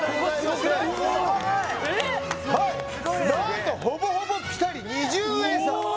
すごいねはい何とほぼほぼピタリ２０円差